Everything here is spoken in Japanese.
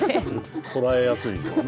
捉えやすいもんね。